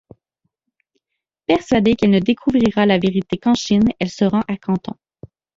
Persuadé qu'elle ne découvrira la vérité qu'en Chine elle se rend à Canton.